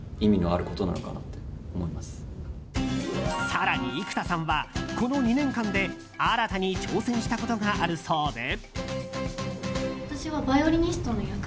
更に、生田さんはこの２年間で新たに挑戦したことがあるそうで。